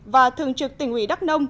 và thường trực tỉnh ủy đắc nông